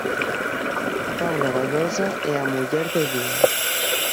Paula Badosa é a muller do día.